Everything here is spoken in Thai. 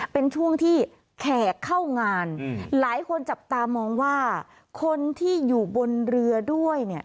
เป็นช่วงที่แขกเข้างานหลายคนจับตามองว่าคนที่อยู่บนเรือด้วยเนี่ย